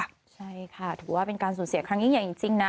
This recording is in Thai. ใช่ค่ะถือว่าเป็นการสูญเสียครั้งยิ่งใหญ่จริงนะ